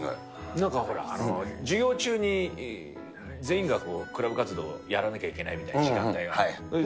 なんかほら、授業中に全員がクラブ活動をやらなきゃいけないみたいな時間帯があって。